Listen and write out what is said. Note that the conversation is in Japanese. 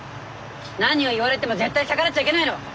何を言われても絶対逆らっちゃいけないの。